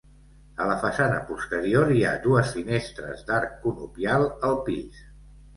A la façana posterior hi ha dues finestres d'arc conopial al pis.